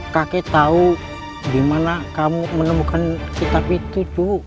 kakek tau dimana kamu menemukan kitab itu